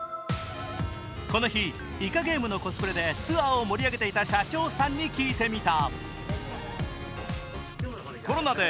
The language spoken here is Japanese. この日「イカゲーム」のコスプレでツアーを盛り上げていた社長さんに聞いた。